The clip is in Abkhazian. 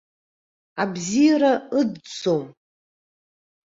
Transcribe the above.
Абзиара ыӡӡом.